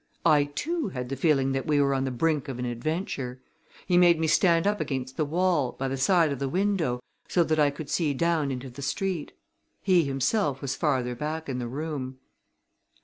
I, too, had the feeling that we were on the brink of an adventure. He made me stand up against the wall, by the side of the window, so that I could see down into the street. He himself was farther back in the room.